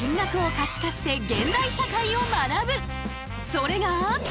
それが。